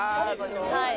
はい。